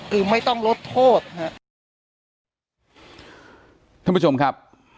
คือไม่ต้องลดโทษฮะท่านผู้ชมครับ